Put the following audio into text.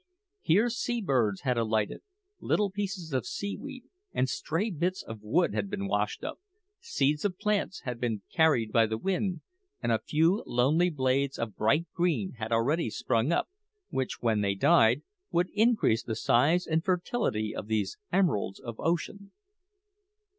Here sea birds had alighted, little pieces of seaweed and stray bits of wood had been washed up, seeds of plants had been carried by the wind, and a few lovely blades of bright green had already sprung up, which, when they died, would increase the size and fertility of these emeralds of Ocean.